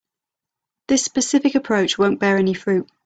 This specific approach won't bear any fruit.